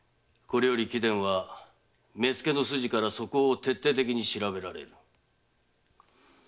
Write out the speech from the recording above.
これより貴殿は目付の筋から素行を徹底的に調べられる。